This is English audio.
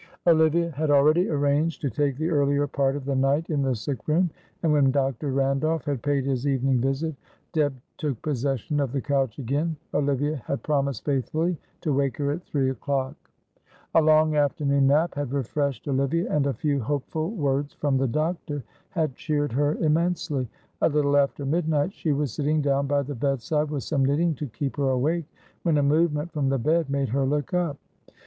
Olivia had already arranged to take the earlier part of the night in the sick room, and when Dr. Randolph had paid his evening visit, Deb took possession of the couch again. Olivia had promised faithfully to wake her at three o'clock. A long afternoon nap had refreshed Olivia, and a few hopeful words from the doctor had cheered her immensely. A little after midnight she was sitting down by the bedside with some knitting to keep her awake, when a movement from the bed made her look up.